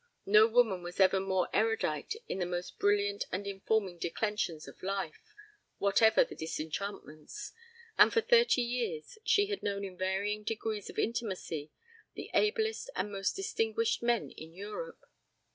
No woman was ever more erudite in the most brilliant and informing declensions of life, whatever the disenchantments, and for thirty years she had known in varying degrees of intimacy the ablest and most distinguished men in Europe.